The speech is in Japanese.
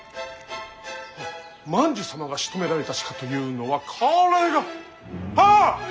万寿様がしとめられた鹿というのはこれがはあっ！